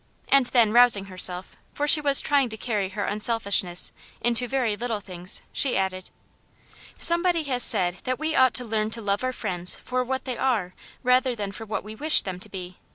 And then, rousing herself, for she was trying to carry her unselfishness into very little things, she added, — "Somebody has said that we ought: to learn to love our friends for what they are, rather than for what we wish them to be.